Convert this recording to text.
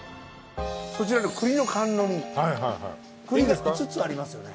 こちらの栗の甘露煮栗が５つありますよね。